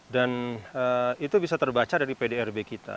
dan itu bisa terbaca dari pdrb kita